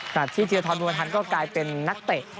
ตราบที่เทียร์ทรมภูมิพันธรรมก็กลายเป็นนักเตะ